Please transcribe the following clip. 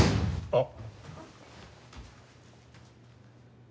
あっ。